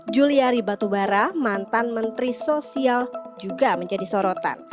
juliari batubara mantan menteri sosial juga menjadi sorotan